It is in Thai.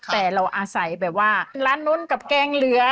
แต่เราอาศัยแบบว่าร้านนู้นกับแกงเหลือ